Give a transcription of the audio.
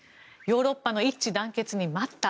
ヨーロッパの一致団結に待った！